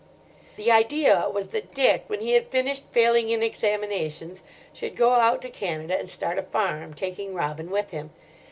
The idea was that Dick, when he had finished failing in examinations, should go out to Canada and start a farm, taking Robin with him.